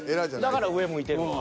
だから上向いてんの？